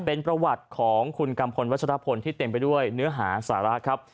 เป็นประวัติของคุณกัมพลวัชรพลที่เต็มไปด้วยเนื้อหาสาระครับ